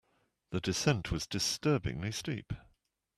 The descent was disturbingly steep.